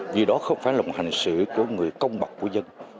vì đó không phải là một hành xử của người công bằng của dân